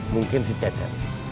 mungkin si cece